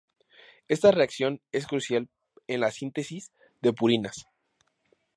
Esta reacción es crucial en la síntesis de purinas.